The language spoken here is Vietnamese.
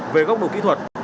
về góc độ kỹ thuật